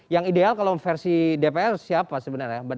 yang ideal kalau versi dpr siapa sebenarnya